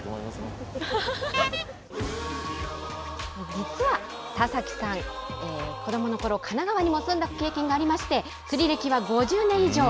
実は田崎さん、子どものころ、神奈川に住んだ経験がありまして、釣り歴は５０年以上。